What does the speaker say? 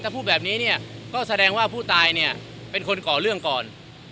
ถ้าพูดแบบนี้เนี่ยก็แสดงว่าผู้ตายเนี่ยเป็นคนก่อเรื่องก่อน